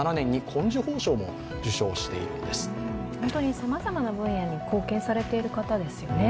さまざまな分野に貢献されている方ですよね。